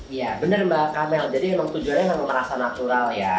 iya benar mbak kamel jadi memang tujuannya memang merasa natural ya